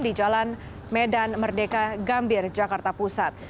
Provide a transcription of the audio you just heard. di jalan medan merdeka gambir jakarta pusat